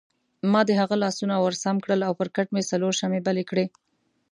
ما د هغه لاسونه ورسم کړل او پر کټ مې څلور شمعې بلې کړې.